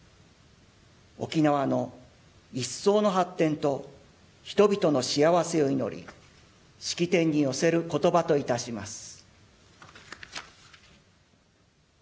沖縄の一層の発展と人々の幸せを祈り式典に寄せることばといたします。